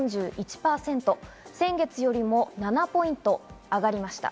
前月よりも７ポイント上がりました。